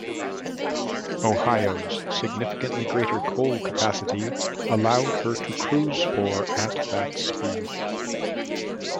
"Ohio"s significantly greater coal capacity allowed her to cruise for at that speed.